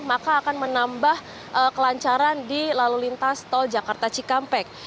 maka akan menambah kelancaran di lalu lintas tol jakarta cikampek